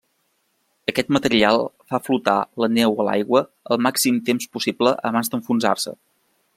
Aquest material fa flotar la neu a l'aigua el màxim temps possible abans d'enfonsar-se.